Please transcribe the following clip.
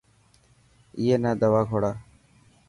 اي نا دوا کوڙا.